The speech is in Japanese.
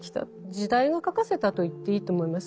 時代が書かせたと言っていいと思います